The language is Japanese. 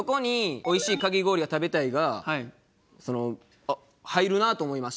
「美味しいかき氷が食べたい」が。